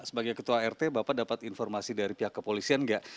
sebagai ketua rt bapak dapat informasi dari pihak kepolisian nggak